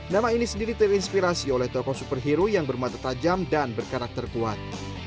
nama ini sendiri terinspirasi oleh tokoh superhero yang bermata tajam dan berkarakter kuat